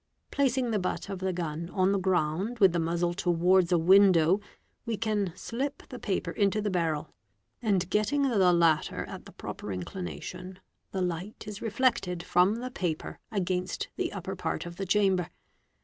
Placing the butt of the gun on the ground with the muzzle towards a window, we can slip the paper into the barrel, and, getting 428 WEAPONS the latter at the proper inclination, the light is reflected from the paper against the upper part of the chamber.